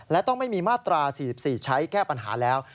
และต้องไม่มีมาตรา๔๔ใช้แก้ปัญหาแล้ว